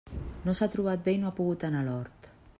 No s'ha trobat bé i no ha pogut anar a l'hort.